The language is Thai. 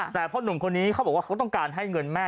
แต่พ่อหนุ่มคนนี้เขาบอกว่าเขาต้องการให้เงินแม่